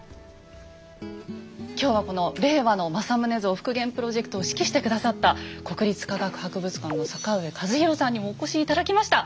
今日はこの「令和の「政宗像復元プロジェクト」を指揮して下さった国立科学博物館の坂上和弘さんにもお越し頂きました。